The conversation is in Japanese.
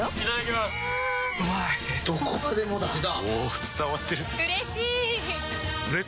どこまでもだあ！